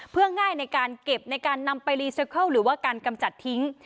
เพื่อง่ายในการเก็บในการนำไปรีเซเคิลหรือว่าการกำจัดทิ้ง